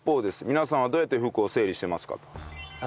皆さんはどうやって服を整理してますか？